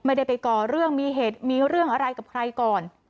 ไม่ได้ไปก่อเรื่องมีเหตุมีเรื่องอะไรกับใครก่อน